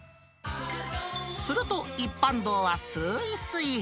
すると、一般道はすーいすい。